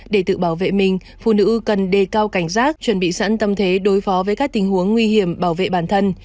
để tự bảo vệ mình phụ nữ cần đề cao cảnh giác chuẩn bị sẵn tâm thế đối phó với các tình huống nguy hiểm bảo vệ bản thân